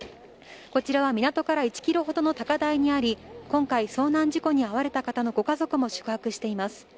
こちらは港から１キロほどの高台にあり、今回、遭難事故に遭われた方のご家族も宿泊しています。